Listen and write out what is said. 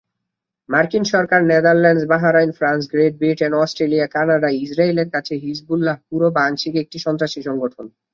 মার্কিন সরকার, Netherlands, Bahrain, France, Great Britain, Australia, Canada, ইসরায়েলের কাছে হিজবুল্লাহ পুরো বা আংশিকভাবে একটি সন্ত্রাসী সংগঠন।